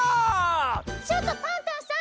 ちょっとパンタンさん！